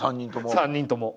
３人とも？